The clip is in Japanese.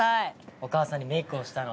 お母さんにメークをしたので。